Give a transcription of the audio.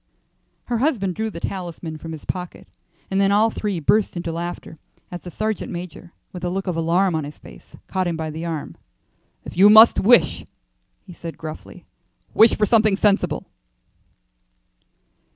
Her husband drew the talisman from pocket, and then all three burst into laughter as the sergeant major, with a look of alarm on his face, caught him by the arm. "If you must wish," he said, gruffly, "wish for something sensible."